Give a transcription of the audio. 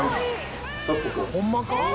ホンマか？